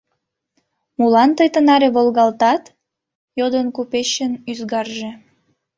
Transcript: — Молан тый тынаре волгалтат? — йодын купечын ӱзгарже.